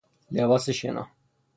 لباس شنا